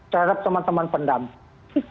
terhadap teman teman pendamping